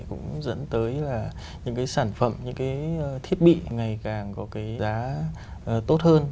cũng dẫn tới là những cái sản phẩm những cái thiết bị ngày càng có cái giá tốt hơn